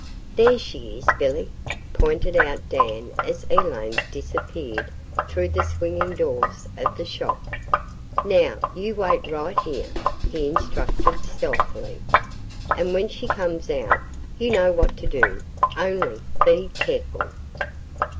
"There she is, Billy," pointed out Dan as Elaine disappeared through the swinging doors of the shop. "Now, you wait right here," he instructed stealthily, "and when she comes out you know what to do. Only, be careful."